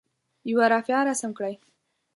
یوه رافعه رسم کړئ.